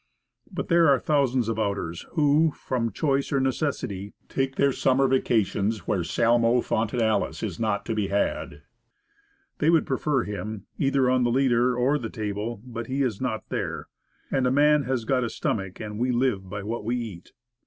But there are thousands of outers who, from choice or necessity, take their summer va cations where Salmo fontinalis is not to be had. They would prefer him, either on the leader or the table; but he is not there; "And a man has got a stomach, and we live by what we eat."